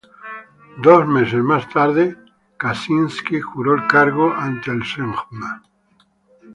Dos meses más tarde Kaczyński juró el cargo ante el Sejm.